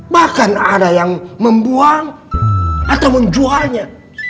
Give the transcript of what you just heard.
bahkan ada yang membuang atau menjualnya